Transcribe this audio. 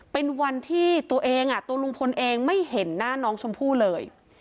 เป็นวันที่ตัวเองตัวลุงพลเองไม่เห็นหน้าน้องชมพู่เลย